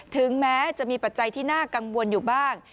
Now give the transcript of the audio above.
ถึงแม้จะมีปัจจัยที่น่ากังวลอยู่บ้าง